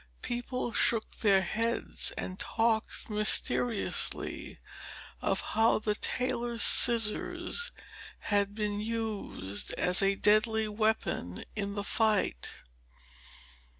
People shook their heads and talked mysteriously of how the tailor's scissors had been used as a deadly weapon in the fight.